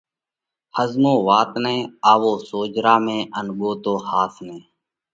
ۿزمو وات نئہ، آوو سوجھرا ۾ ان ڳوتو ۿاس نئہ!